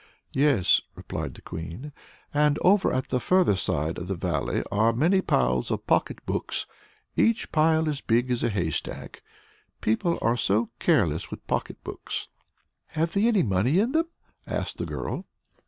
"Yes," replied the Queen; "and over at the further side of the Valley are many piles of pocket books, each pile as big as a haystack. People are so careless with pocketbooks." "Have they money in them?" asked the girl.